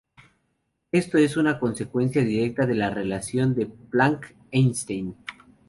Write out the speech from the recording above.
Esto es una consecuencia directa de la relación de Planck–Einstein.